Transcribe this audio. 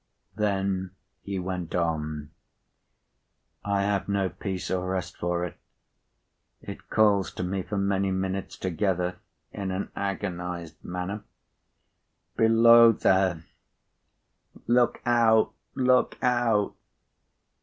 Then, he went on. "I have no peace or rest for it. It calls to me, for many minutes together, in an agonised manner, 'Below there! Look out! Look out!